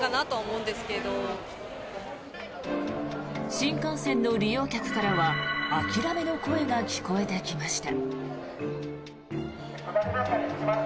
新幹線の利用客からは諦めの声が聞こえてきました。